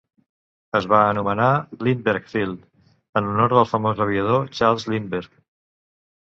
Es va anomenar Lindbergh Field en honor al famós aviador Charles Lindbergh.